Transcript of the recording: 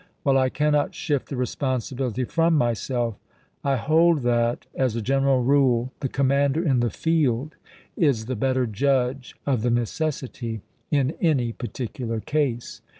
While I cannot shift the responsibility from myself, I hold that, as a general rule, the commander in the field is the better judge of the necessity in any particular case.